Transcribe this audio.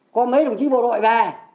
có mấy đồng chí bộ đội về